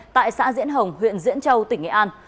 tại xã diễn hồng huyện diễn châu tỉnh nghệ an